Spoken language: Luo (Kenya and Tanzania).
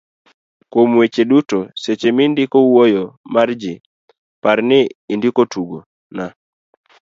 kuom weche duto, seche mindiko wuoyo mar ji, par ni indiko tugo ma